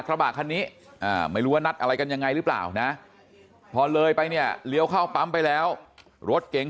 กระบะคันนี้ไม่รู้ว่านัดอะไรกันยังไงหรือเปล่านะพอเลยไปเนี่ยเลี้ยวเข้าปั๊มไปแล้วรถเก๋ง